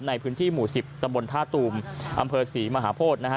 ในพื้นที่หมู่๑๐ตำบลท่าตูมอำเภอศรีมหาโพธินะฮะ